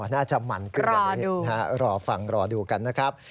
น่าจะมันขึ้นไว้รอฟังรอดูกันนะครับ